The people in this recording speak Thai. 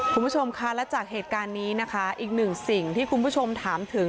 คุณผู้ชมค่ะและจากเหตุการณ์นี้นะคะอีกหนึ่งสิ่งที่คุณผู้ชมถามถึง